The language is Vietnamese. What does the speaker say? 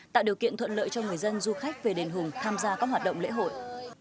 tạo điều kiện thuận lợi cho người dân du khách về đền hùng tham gia các hoạt động lễ hội